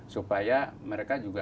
supaya mereka juga